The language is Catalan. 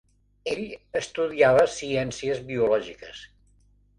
Ell estudiava Ciències biològiques.